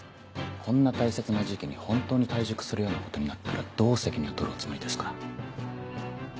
こんな大切な時期に本当に退塾するようなことになったらどう責任を取るおつもりですか。